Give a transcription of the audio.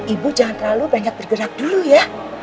ibu jangan terlalu banyak bergerak dulu ya